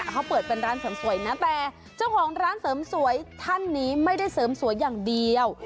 เขาเปิดเป็นร้านเสริมสวยนะแต่เจ้าของร้านเสริมสวยท่านนี้ไม่ได้เสริมสวยอย่างเดียว